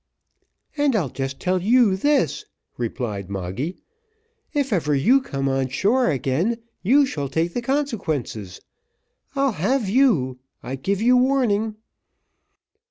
"And I'll just tell you this," replied Moggy; "if ever you come on shore again you shall take the consequences. I'll have you I give you warning.